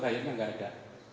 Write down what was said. aturannya enggak ada